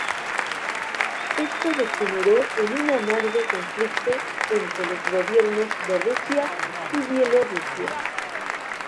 Esto degeneró en un amargo conflicto entre los gobiernos de Rusia y Bielorrusia.